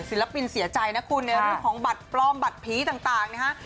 ศิลปินเสียใจนะคุณในเรื่องของบัตรปลอมบัตรผีต่างนะฮะ